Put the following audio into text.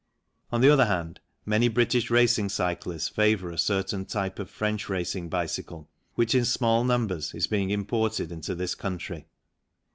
On the other hand, many British racing cyclists favour a certain type of French racing bicycle which, in small numbers, is being imported into this country.